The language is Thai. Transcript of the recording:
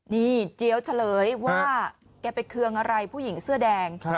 นี่เดี๋ยวเฉลยว่าแกไปเคืองอะไรผู้หญิงเสื้อแดง